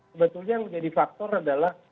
sebetulnya yang menjadi faktor adalah